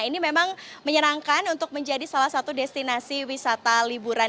ini memang menyenangkan untuk menjadi salah satu destinasi wisata liburan